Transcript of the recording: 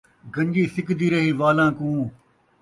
گن٘جی سکدی رہی والاں کوں